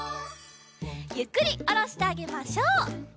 ゆっくりおろしてあげましょう。